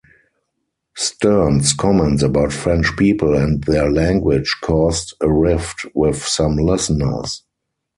Stern's comments about French people and their language caused a rift with some listeners.